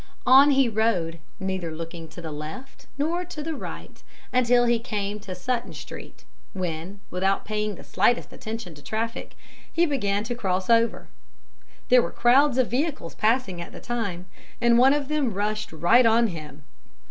On he rode, neither looking to the left nor to the right, until he came to Sutton Street, when, without paying the slightest attention to the traffic, he began to cross over. There were crowds of vehicles passing at the time, and one of them rushed right on him.